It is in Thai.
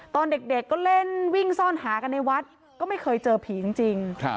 ตอนเด็กก็เล่นวิ่งซ่อนหากันในวัดก็ไม่เคยเจอผีจริง